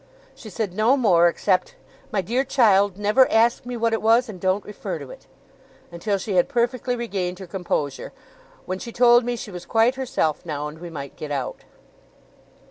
She said no more, except, 'My dear child, never ask me what it was, and don't refer to it,' until she had perfectly regained her composure, when she told me she was quite herself now, and we might get out.